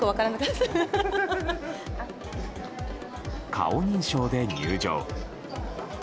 顔認証で入場。